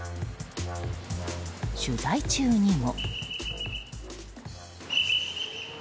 取材中にも。